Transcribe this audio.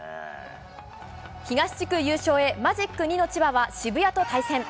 東地区優勝へ、マジック２の千葉は、渋谷と対戦。